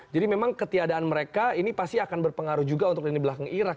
jadi memang ketiadaan mereka ini pasti akan berpengaruh juga untuk lini belakang irak